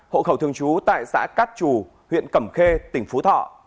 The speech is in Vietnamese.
hộ khẩu thường trú tại xã cát trù huyện cẩm khê tỉnh phú thọ